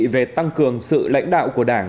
về tăng cường sự lãnh đạo của đảng